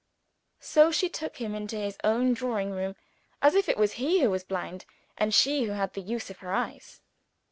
So she took him into his own drawing room, as if it was he that was blind, and she who had the use of her eyes.